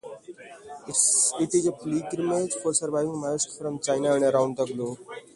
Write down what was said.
It is a pilgrimage for surviving Maoists from China and around the globe.